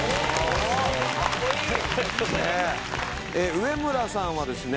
上村さんはですね